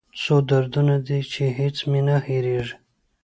څو دردونه دي چې هېڅ مې نه هېریږي